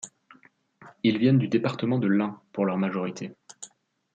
Ils viennent du département de l'Ain pour leur majorité.